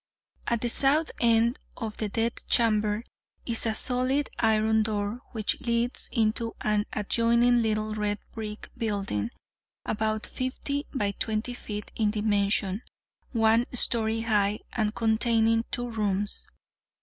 "At the south end of the Death Chamber is a solid iron door, which leads into an adjoining little red brick building, about fifty by twenty feet in dimension, one story high, and containing two rooms.